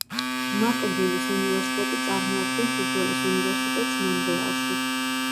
მაკგილის უნივერსიტეტი წარმოადგენს უძველეს უნივერსიტეტს მონრეალში.